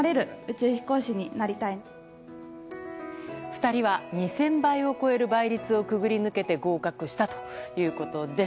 ２人は２０００倍を超える倍率をくぐり抜けて合格したということです。